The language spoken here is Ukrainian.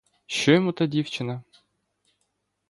Що йому та дівчина?